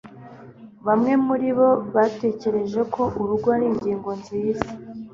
Bamwe muribo batekereje ko "Urugo" ari ingingo nziza